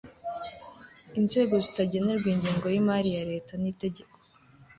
inzego zitagenerwa ingengo y'imari ya leta n'itegeko